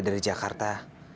kita dari jakarta